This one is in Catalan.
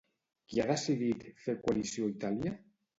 Qui ha decidit fer coalició a Itàlia?